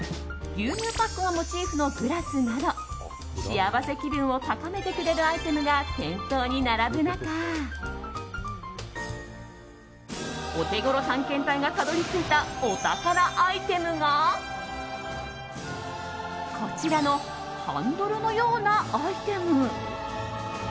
牛乳パックがモチーフのグラスなど幸せ気分を高めてくれるアイテムが店頭に並ぶ中オテゴロ探検隊がたどり着いたお宝アイテムがこちらのハンドルのようなアイテム。